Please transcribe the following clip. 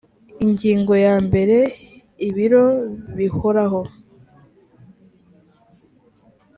ingingo ya mbere ibiro bihoraho